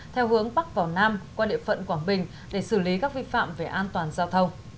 theo hướng bắc vào nam qua địa phận quảng bình để xử lý các vi phạm về an toàn giao thông